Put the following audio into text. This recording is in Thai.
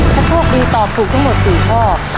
ถ้าโชคดีตอบถูกทั้งหมด๔ข้อ